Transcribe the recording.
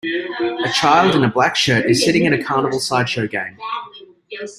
A child in a black shirt is sitting at a carnival sideshow game.